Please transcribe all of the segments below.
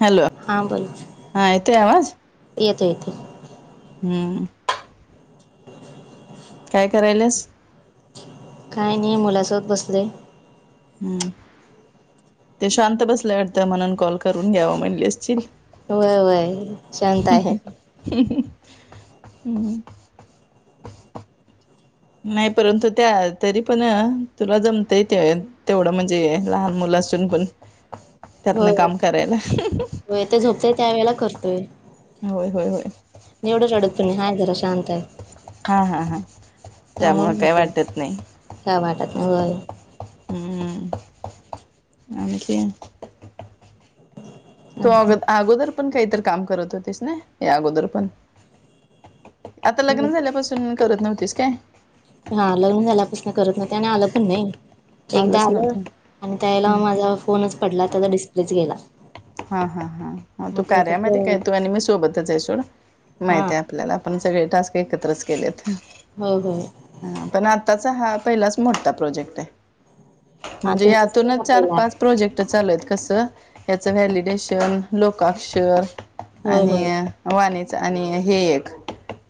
Hello हा बोलचं हा येतोय येतो येत. हूं! [inaudible] काय करायल्यास? काय नही मुलासोबत बसलोय. हूं ते शांत बसल्या वाटतया म्हणून कॉल करून घ्यावा म्हणली असशील. व्हय व्हय शांत आहे. [inaudible] नाही परंतु त्या तरी पण तुला जमतय ते. तेवढं म्हणजे लहान मुलं असून पण, त्यातन काम करायलां. व्हय ते झोपतय त्या वेळेला करतोय. होय होय होय! एवढ रडत पण नाही, आहे जरा शांत आहे. हा हा हा त्यामुळ त्यामुळे काय होतय वाटत नाही. काय वाटत नाही व्हय. हूं! हं! आणखीन. तू अग अगोदर पण काहीतरी काम करत होतीस ना यां अगोदर पण. आता लग्न झाल्यापासून करत नव्हतीस काय. हा लग्न झाल्यापासन करत नव्हते, आणि आलं पण नाही. एकदा आलंच आलं नव्हतं आणि त्यावेळेला माझा फोनच पडला, त्याचा डिस्प्लेच गेला. हा हा हा तू मग ते फक्त कार्यामध्ये काय तू आणि मी सोबतच आहे सोड, हा माहिती आपल्याला. आपण सगळे टास्क एकत्रच केलेत. हो होय. हा पण आताचा हा पहिलाच मोठा प्रोजेक्ट आहे. हा म्हणजे तुमच्याचा यातूनच केव्हा चार पहिला पाच आहे प्रोजेक्ट चालूयेत कसं. चं व्हालिडेशन लोकाक्षर होय आणि होय वाणीच आणि हे एक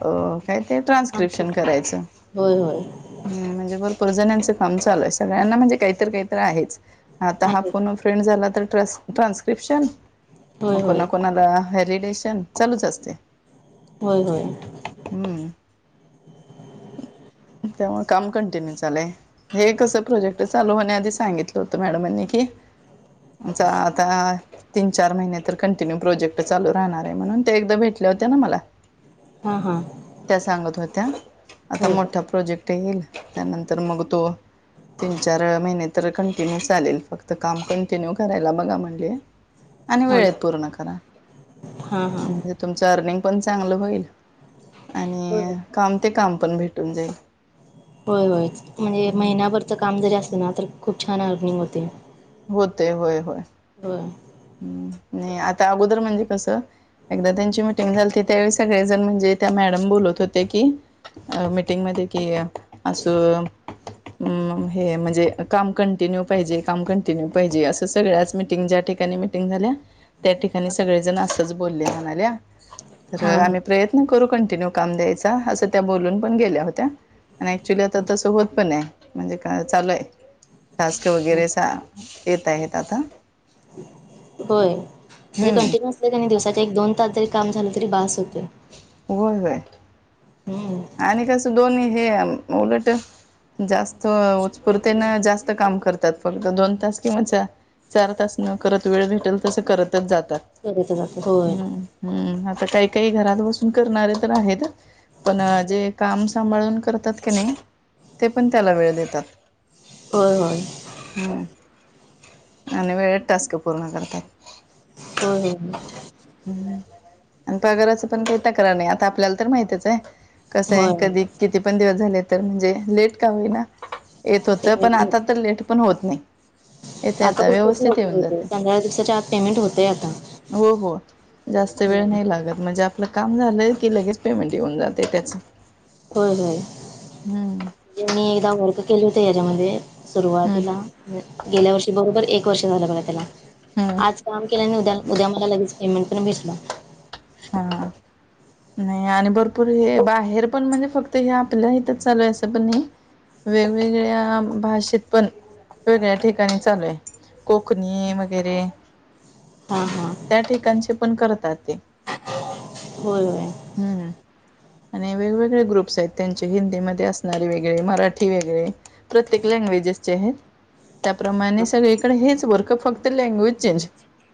अ काय ते ट्रान्स्क्रिपशन ट्रान्स्क्रिप्शन करायचं. होय होय हूं म्हणजे भरपूर जण्याचं काम चालूय, सगळ्यांना म्हणजे काहीतरी, काहीतरी आहेच आता हा आहे फोन ओ फ्रेंड झाला तर ट्रस ट्रान्सन्क्रिपशन मं होय होय कोणा कोणाला हॅरीडेशन चालूच असते. होय होय! हूं! त्यामुळ काम कंटिन्यू चाललंय. हे कसं प्रोजेक्ट चालू होण्या आधी सांगितलं होतं मॅडमांनी की. चा आता. तीन चार महिने तर कंटिन्यू प्रोजेक्ट चालु राहणार आहे म्हणून, ते एकदा भेटल्या होत्यां ना मला. हां हां त्या सांगत होत्या आता होय मोठ् प्रोजेक्ट ईल, त्या नंतर मग तो, तीन चार अं महि तर कंटिन्यू चालेल, फक्त काम कंटिन्यू करायला बघा म्हणले, आणि हां वेळेत पूर्ण करा, हां हां म्हणजे तुमचं अर्निंग पण चांगलं होईल, होय आणि काम ते काम पण भेटून जाईल. होय होय, म्हणजे हम्म, महिना्याभरच काम जरी असलं ना, तर खूप छान अर्निंग होते. होते होय होय. होय. हम्म, नाही आता अगोदर म्हणजे कसं एकदा त्यांची मिीटिंग झालीती त्यावेळी सगळेजण म्हणजे त्या मॅडम बोलत होते की, अ मीटिंगमध्ये कि, असं हे म्हणजे, काम कंटिन्यू पाहिजे, काम कंटिन्यू पाहिजे, असं सगळ्याच मिटिंग ज्या ठिका काणी मिटिंग झाल्या, त्या ठिकाणी सगळे जण असच बोलले म्हणाल्या, तर हां आम्ही हां प्रय करू कंटिन्यू काम द्यायचा, असं त्या बोलून पण गेल्या होत्या. आणि ऍक्च्युली आता तस होत पण आहे, म्हणजे चालू आहे, टास्क वगैरे येत आहेेत आता होय, म्हणजे हम्म कंटिन्यु असलं के नै दिवसाचे एक दोन तास जरी काम झालं तरी बास होतेय. होय होय. आणि कसं दोन्ही हे, उलट जास्त उत्पुरतेन जास्त काम करतात, फक्त दोन तास किंवा चार चार तास नं करत वेळ भेटेल तसं करतच जातात. करत जातात, होय. हम्म हम्म, आता काही काही घरात बसून करणारे तर आहेत पण जे काम सांभाळून करतात की नाही, ते पण त्याला वेळ देतात. होय होय. हम्म, आणि वेळेत टास्क पूर्ण करतात. होय होय. आणि पगारचं पण काही तक्रार नाही, आता आपल्याला तर माहितच हाय. कसं हाय होय कधी? किती पण दिवस झाले तर म्हणजे, लेट का होईना येत होतं, पेमेंट पण भेट आता तर लेट पण होत नाही. येतय आता, तर खूप व्यवस्थित लवकर येऊन होते जातय, पंधरा दिवसाच्या आत पेमेंट होतंय आता हो हो. जास्त वेळ नाही लागत, म्हणजे आपलं काम झालं की लगेच पेमेंट येऊन जातय त्याचं. होय होय, हम्म मी एकदा वर्क केले होते हच्यामधेऽ हम्म सुरुवातीला, गेल्या वर्षी, बरोबर एक वर्ष झालं बघा त्याला हम्म आज काम केल्याने उद्या उद्या मला लगेच पेमेंट पण भेटला हां, नाही, आणि भरपूर हे बाहेर पण म्हणजे फक्त हे आपल्या इथच चालूय आसं पण नाहीऽ वेगवेगळ्या भाषेत पण वेगळ्या ठिकाणी चालूय, कोकणी वगैरेऽ हा हा. त्या ठिकाणचे पण करतात ते. होय होय. हम्म. आणि वेगवेगळे ग्रुप्स आहेत त्यांचे, हिंदीमध्ये असणारे वेगळे, मराठी वेगळे, प्रत्येक लँग्वेजेसचे हायत. त्याप्रमाणे सगळीकडे हेच वर्क, फक्त लँग्वेज चेंज.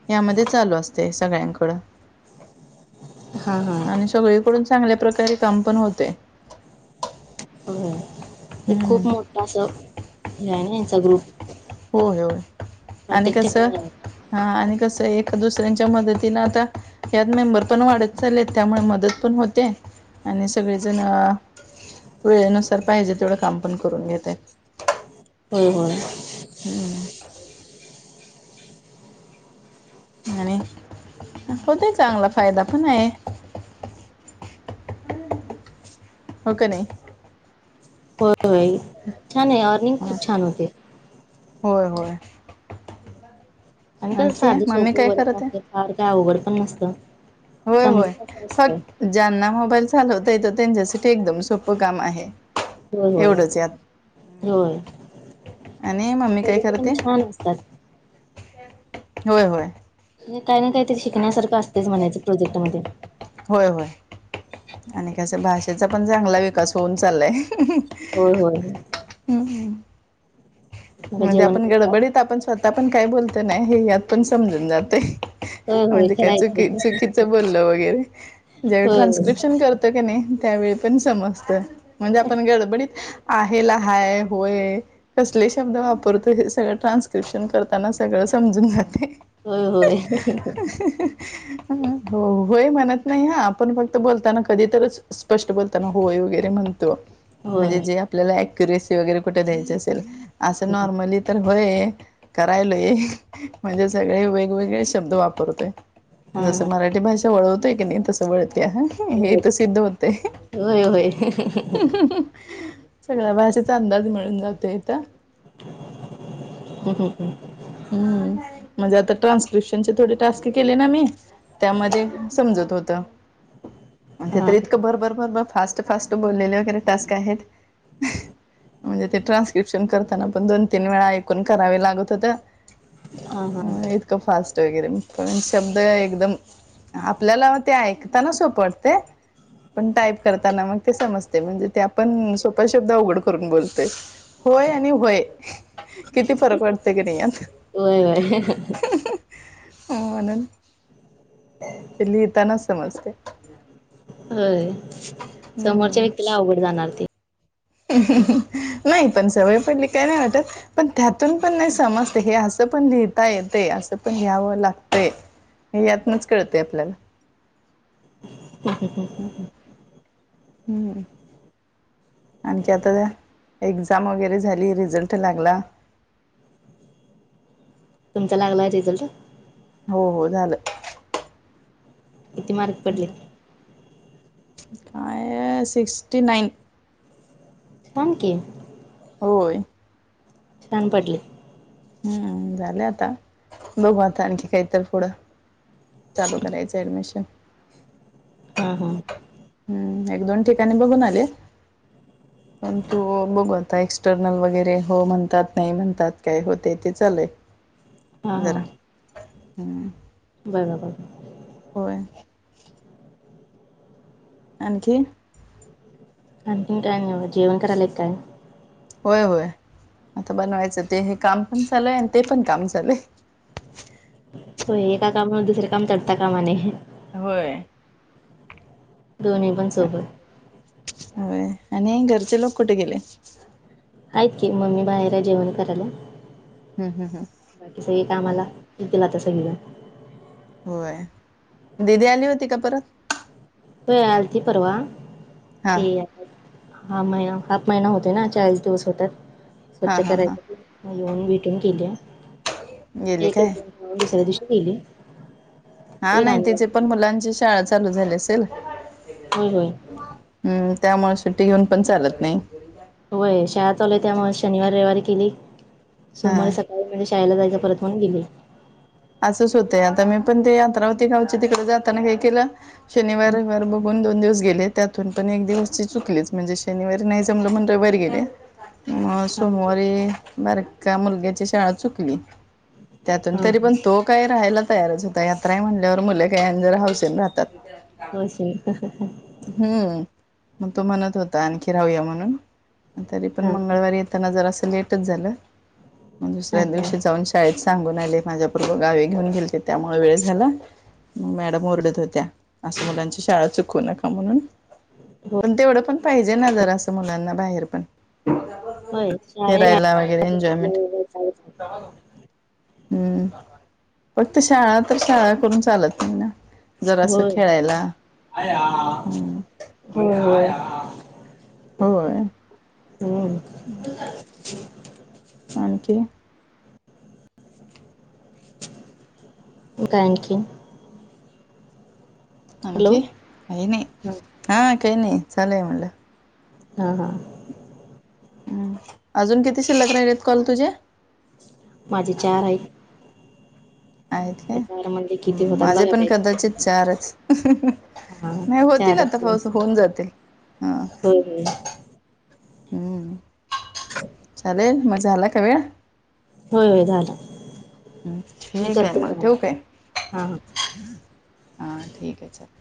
यामध्ये चालू असतय सगळ्यांकडं. हा हा आणि सगळीकडून चांगल्या प्रकारे काम पण होतय. होय ते खूप मोठं असं, हे आहे ना यांचा ग्रुप. होय होय, आणि प्रत्येक कसंऽ ठिकाणी आहे हा, आणि कसं आहे, एका दुसऱ्यांच्या मदतीनं आता यात मेंबर पण वाढत चालले आहेत, त्यामुळे मदतऽ पण होते, आणि सगळेजणं वेळेनुसार पाहिजे तेवढं काम पण करून घेत्यात. होय होय. हम्म, आणि, होतय चांगला फायदा पण आहे. हो का नाही. होय होय छान आहे, अर्निंग ह खूप छान होते. होय होय. आणि काय आणखी साधं मम्मी सोपं काय वर्क करत आहे आसतय, फार काय आवगड पण नसत. होय होय, फक्त ज्यांना मोबाईल चालवता येतो त्यांच्यासाठी एकदम सोपं काम आहे. होय होय, एवढंच यात होय, आणि मम्मी काय प्रोजेक्ट पण करते छान असतात. होय होय. काय ना काय तर शिकण्यासारखं असतेच म्हणायचे, प्रोजेक्ट मध्ये. होय होय, आणि कसं, भाषेचा पण चांगला विकास होऊन चाललाय. होय होय. हहह मग म्हणजे जेवण आपण करतात गडबडीत आपण स्वतः पण काय बोलतो नाही हे यातुन पण समजून जातय. होय होय म्हणजे काय, खरं आहे चुकी चुकीचं की. बोललं वगैरे, ज्यावेळी होय ट्रान्स्क्रिप्शन करतऽ की नाही त्यावेळी पण समजतय, म्हणजे आपण गडबडीतऽ आहे ला हाय, होय कसलेश शब्द वापरतो हे सगळ ट्रांस्क्रिप्शन करताना सगळं समजून जातय. होय [unintelligible] ह हो होय म्हणत नाही हा, आपण फक्त बोलताना कधी तरचऽ स्पष्ट बोलताना होय वगैरे म्हणतो. होय म्हणजे होय. जे आपल्याला अ्युरेसी वगैरे कुठे द्यायच असेल, असं नॉर्मलीऽ तर होय, करायलोय म्हणजे सगळे वेगवेगळे शब्द वापरतोय. हा जसं हा मराठी भाषा वळवतोय की नाही तसं वळते ह हेे इथं सिद्ध होय होतय होय. अ सगळ्या भाषेचा अंदाज मिळून जातो इत ह ह ह हम्म म्हणजे आता ट्रान्स्क्रिप्शन चे थोडे टास्क केले ना मी त्यामध्ये समजत होत अन ते हा तर इतकं भरभर भरभर फास्ट फास्ट बोललेले वगैरे टास्क आहेत ह म्हणजे ते ट्रान्स स्किपन्शन करताना पण दोन तीन वेळा ऐकून करावे लागत होतं. हा हा. अ इतकं फास्ट वगैरे पण, शब्द एकदम आपल्याला ते ऐकऽ तान सोपं वाटतय. पण टाईप करताना मग ते समजतय म्हणजे ते आपण सोपे शब्द अवघड करून बोलतोय होय आणि व्हय किती फरक वाटत कि नाय यात होय वय म्हणून [unintelligible] ते लिहिताना समजतय. होय, समोरच्या हम्म. व्यक्तीला अवघड जाणार ते. ह ह ह व्हय पण सवय पडली काय नाय वाटत. पण त्यातून पण नाही समजते. हे असं पण लिहिता येतय, असं पण लिहावं लागतय. यातनच कळतय आपल्याला. ह ह ह. हम्म मं. आणखी आता त्या एक्झाम वगैरे झाली रिझल्ट लागला. तुमचा लागलाय रिझल्ट? हो, हो झालं. किती मार्क? पडले? काय सिक्स्टी नाईन. थांब कि. होय. छान पडलेत. हम्म झालंय आता, बघू आता आणखी काही तर पुढं. चालू करायचं ऍडमिशन. ह. ह. हम्म एक- दोन ठिकाणी बघून आले. पण तो बघू आता, एक्सटर्नल वगैरे हो म्हणतात नाही म्हणतात काय होतय ते चालय. हा हा. जरा, हम्म. बघा, बघा. होय. आणखीन? आणखीन काय नव्ह जेवण कराले कि काय? होय, होय आता बनवायचं ते हे काम पण चालूय आणि ते पण काम चालूय. होय एका कामावर दुसरे काम तटता कामा नये. होय. दोनी पण सोबत. होय आणि घरचे लोक कुठे गेलेत? आहेत की, मम्मी बाहेर हाय जेवण करालीया. ह ह ह. बाकी सगळे कामाला, येतील आता सगळीजण. होय, दीदी आली होती का परत? होय आलती परवा, हा ती हा महिना, हाफ महिना होतोय ना, चाळीस दिवस होतात. हा स्वच्छ हा हा करायच, म येऊन भेटून गेलीया. गेली एकच काय दिवस? दुसऱ्या दिवशी गेली. हा येईल नाही आणि तिची नंतर पण मुलांची शाळा चालू झाली असेल. होय होय. हम्म, त्यामुळे सुट्टी घेऊन पण चालत नाही. होय शाळा चालूय त्यामुळे शनिवार, रविवारी केली सोमवारी हा. सका हो म्हणे शाळेला जायचा परत म्हणून गेली. असंच होतंय, आता मी पण ते यात्रा होती ना आमची तिकडे जाताना काय केलं शनिवार, हा रविवार बघून दोन दिवस गेले त्यातून पण एक दिवस ची चुकलेच म्हणजे शनिवारी नाहीचं जमलं म्हणून रविवारी गेले मग सोमवारी बारक्या मुलग्याची शाळा चुकली. त्यातून हा तरी हा. पण तो काय राहायला तयारच होता यात्राय म्हणल्यावर मुलं काय आणि जरा हाऊसेनं राहतात. हावशीनं. हम्म मग तो म्हणत होता आणखी राहूया म्हणून तरी पण हा मंगळवारी येत ताना जरा लेटच झाला मग हा दुसऱ्या हा. दिवशी जाऊन शा शाळेत सांगून आले माझ्या बरोबर गावी घेऊन गेलते त्यामुळे वेळ झाला. मग मॅडम ओरडत होत्या असं मुलांच्या शाळा चुकू नका. म्हणून हो पण तेवढं पण पाहिजे ना जरासं मुलांना बाहेर पण. होय शाळे फिरायला वगैरे एन्जॉयमेंट. हम्म फक्त शाळा तर शाळा करून चालत नाही ना. जरासं होय. खेळायला [inaudible] हम्म. होय होय. हम्म आणखी मग काय आणखी? हॅलो आणखी काही नाही हा हा काही नाही चालूय म्हणलं. हा हा. हम्म अजून किती शिल्लक राहिलेत कॉल तुझे? माझे चार आहेत. आहेत काय चार म्हणले किती हम्म होतात माझे बघा पण ताई कदाचित चारच. हा नाही होतील आता पाहूसं होऊन जातील. हा हम्म हम्म. हम्म चालेल मग झाला का वेळ? होय होय झाला. ठीक हाय मग ठेवू काय हा हा. हा ठीक आहे चाले